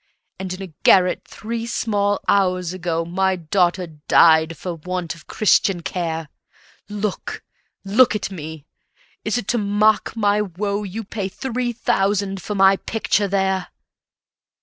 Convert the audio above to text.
And in a garret three small hours ago My daughter died for want of Christian care. Look, look at me! ... Is it to mock my woe You pay three thousand for my picture there?"